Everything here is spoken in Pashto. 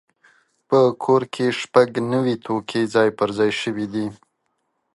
په کور کې شپږ نوي توکي ځای پر ځای شوي دي.